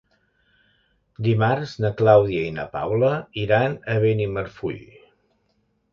Dimarts na Clàudia i na Paula iran a Benimarfull.